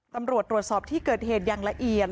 ตำรวจตรวจสอบที่เกิดเหตุอย่างละเอียด